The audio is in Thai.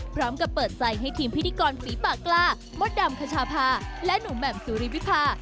พร้อมกับเปิดใจให้ทีมพิธีกรฟีปากลามดดำขชาพาและหนุ่มแหม่มสุริวิภา